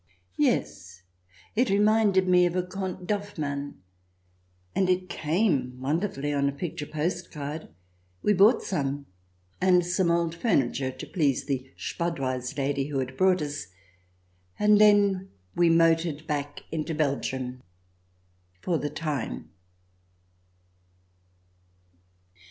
Yes, it reminded me of a Conte d'Hoffmann, and it " came " wonderfully on a picture postcard. We bought some, and some old furniture, to please the Spadoise lady who had brought us, and then we motored back into Belgium — for the time.